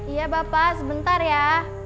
iya bapak sebentar ya